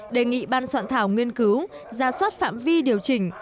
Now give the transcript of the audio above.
đề nghị ban soạn thảo nghiên cứu ra soát phạm vi điều chỉnh